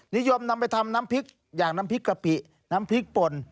นิยมนำไปทำน้ำพริกอย่างน้ำพริกกะปิน้ำพริกป่น